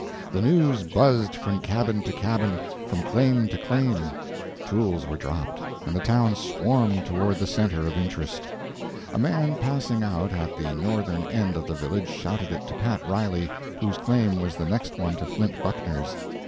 The news buzzed from cabin to cabin, from claim to claim; tools were dropped, and the town swarmed toward the center of interest. A man passing out at the northern end of the village shouted it to Pat Riley, whose claim was the next one to Flint Buckner's.